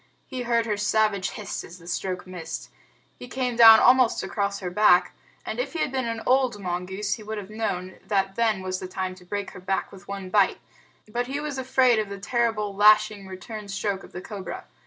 He heard her savage hiss as the stroke missed. He came down almost across her back, and if he had been an old mongoose he would have known that then was the time to break her back with one bite; but he was afraid of the terrible lashing return stroke of the cobra.